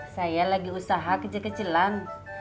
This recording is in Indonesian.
saya lagi usaha kecil kecilan